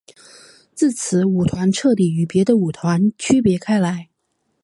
自此舞团彻底与别的舞团区别开来。